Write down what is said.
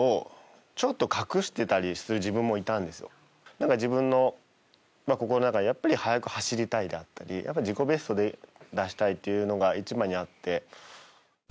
なんか自分の心の中で、やっぱり速く走りたいだったり自己ベスト出したいっていうのが一番にあって。